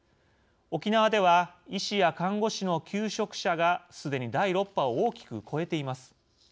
沖縄では医師や看護師の休職者がすでに第６波を大きく超えています。